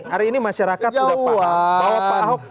hari ini masyarakat sudah paham